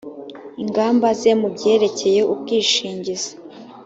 ingamba ze mu byerekeye ubwishingizi